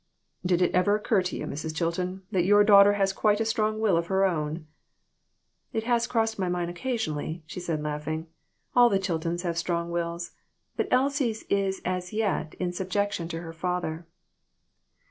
"Did it ever occur to you, Mrs. Chilton, that your daughter has quite a strong will of her own ?" "It has crossed my mind occasionally," she said, laughing; "all the Chiltons have strong wills, but Elsie's is as yet in subjection to her father."